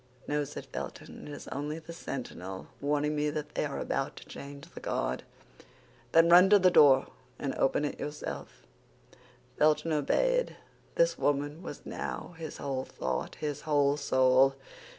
"No," said Felton; it is only the sentinel warning me that they are about to change the guard." "Then run to the door, and open it yourself." Felton obeyed; this woman was now his whole thought, his whole soul.